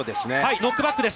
ノックバックです。